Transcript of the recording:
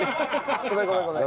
ごめんごめんごめん。